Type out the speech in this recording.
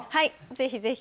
ぜひ、ぜひ。